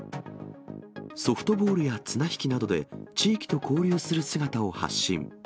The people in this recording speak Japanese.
ソフトボールや綱引きなどで地域と交流する姿を発信。